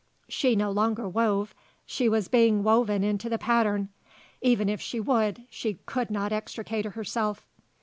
She no longer wove; she was being woven into the pattern. Even if she would she could not extricate herself.